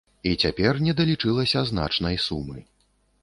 І цяпер недалічылася значнай сумы.